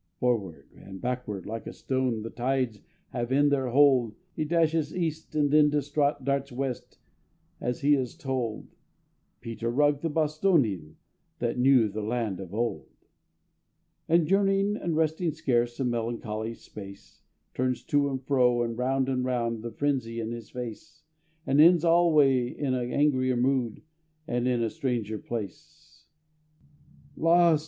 Forward and backward, like a stone The tides have in their hold, He dashes east, and then distraught Darts west as he is told, (Peter Rugg the Bostonian, That knew the land of old!) And journeying, and resting scarce A melancholy space, Turns to and fro, and round and round, The frenzy in his face, And ends alway in angrier mood, And in a stranger place, Lost!